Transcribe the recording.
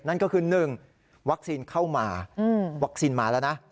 นั่นก็คือ๑วัคซีนเข้ามาวัคซีนมาแล้วนะ